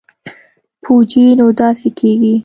پوجي نو داسې کېږي.